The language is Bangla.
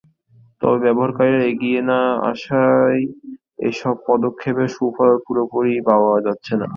তবে ব্যবহারকারীরা এগিয়ে না আসায় এসব পদক্ষেপের সুফল পুরোপুরি পাওয়া যাচ্ছে না।